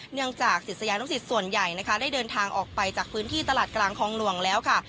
จากศิษยานุสิตส่วนใหญ่นะคะได้เดินทางออกไปจากพื้นที่ตลาดกลางคลองหลวงแล้วค่ะ